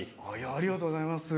ありがとうございます。